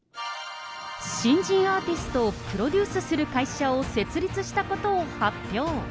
新人アーティストをプロデュースする会社を設立したことを発表。